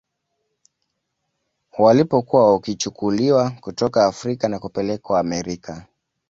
Walipokuwa wakichukuliwa kutoka Afrika na kupelekwa Amerika